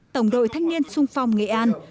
tổng đội thanh niên sung phong nghệ an